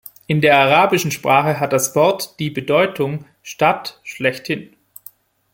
In der arabischen Sprache hat das Wort die Bedeutung „Stadt“ schlechthin.